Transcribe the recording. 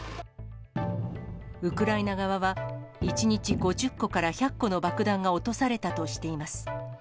ウクライナ側は、１日５０個から１００個の爆弾が落とされたとしています。